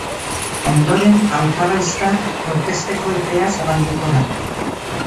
Ondoren hautagaiztak aurkezteko epea zabalduko da.